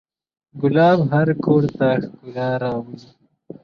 ګلاب هر کور ته ښکلا راولي.